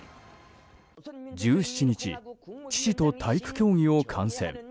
１７日、父と体育競技を観戦。